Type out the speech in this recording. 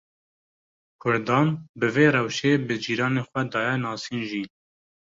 Kurdan bi vê rewşê bi cîranên xwe daye nasîn jî.